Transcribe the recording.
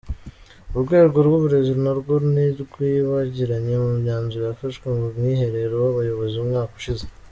Urwego rw’uburezi narwo ntirwibagiranye mu myanzuro yafashwe mu mwiherero w’abayobozi umwaka ushize.